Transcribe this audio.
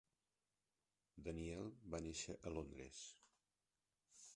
Daniel va néixer a Londres.